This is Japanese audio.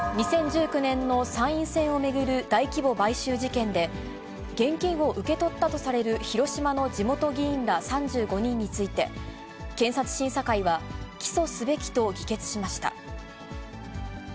２０１９年の参院選を巡る大規模買収事件で、現金を受け取ったとされる広島の地元議員ら３５人について、検察審査会は、起訴すべきと議決しました。